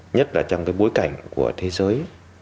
nhất là trong bối cảnh của thế giới